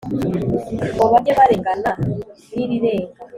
ngo bajye barengana n'irirenga